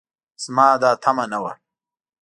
زما دا تمعه نه وه